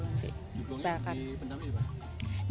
dibuangnya di pendamnya di mana